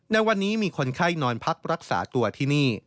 ในวันนี้มีคนไข้นอนพักรักษาตัวที่นี่